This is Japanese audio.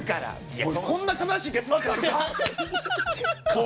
こんな悲しい結末ある？